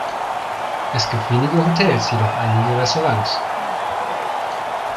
Es gibt wenige Hotels, jedoch einige Restaurants.